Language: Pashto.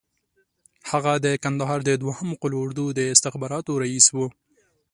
هغه د کندهار د دوهم قول اردو د استخباراتو رییس وو.